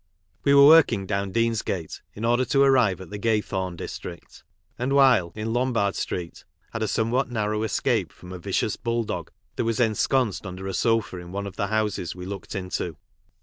We were working down Deansgate, in order to arrive at the Q ay thorn district, and while, in Lombard street, had a somewhat narrow escape from a vicious bulldog that was ensconced under a sofa in one of the houses we looked into.